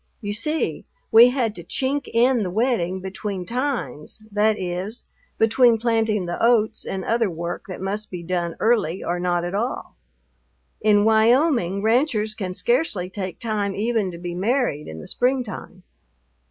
You see, we had to chink in the wedding between times, that is, between planting the oats and other work that must be done early or not at all. In Wyoming ranchers can scarcely take time even to be married in the springtime.